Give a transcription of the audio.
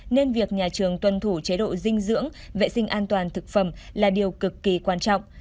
nên việc nhà trường tuân thủ chế độ dinh dưỡng vệ sinh an toàn thực phẩm là điều cực kỳ quan trọng